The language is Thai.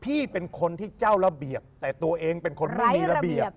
พี่เป็นคนที่เจ้าระเบียบแต่ตัวเองเป็นคนไม่มีระเบียบ